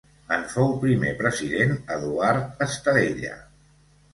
En fou primer president Eduard Estadella.